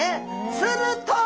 すると！